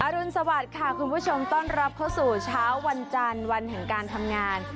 รุนสวัสดิ์ค่ะคุณผู้ชมต้อนรับเข้าสู่เช้าวันจันทร์วันแห่งการทำงาน